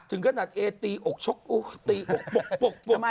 ถึงขนาดเอ๊ตีอกชกตีอกปกปกปกปก